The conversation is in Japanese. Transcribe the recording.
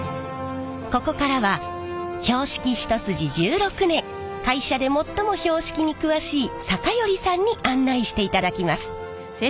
ここからは標識一筋１６年会社で最も標識に詳しい坂寄さんに案内していただきます。